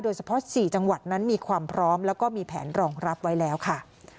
เฉพาะ๔จังหวัดนั้นมีความพร้อมแล้วก็มีแผนรองรับไว้แล้วค่ะ